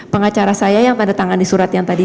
pengacara saya yang tanda tangan di surat yang tadi